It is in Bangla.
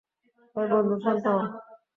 হেই, বন্ধু, শান্ত হও!